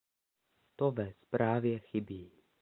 To ve zprávě chybí.